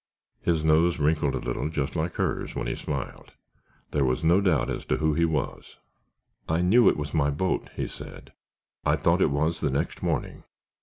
His nose wrinkled a little, just like hers, when he smiled. There was no doubt as to who he was. "I knew it was my boat," he said. "I thought it was the next morning.